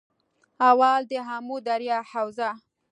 اول- دآمو دریا حوزه